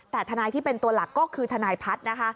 แต่ทนายที่เป็นตัวหลักก็คือทนายพัฒน์นะคะ